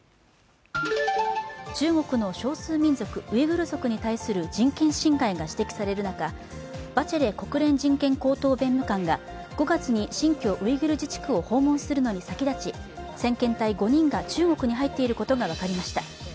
中国の少数民族、ウイグル族に対する人権侵害が指摘される中、バチェレ国連人権高等弁務官が５月に新疆ウイグル自治区を訪問するのに先立ち先遣隊５人が中国に入っていることが分かりました。